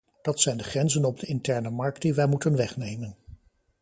Dat zijn de grenzen op de interne markt die wij moeten wegnemen.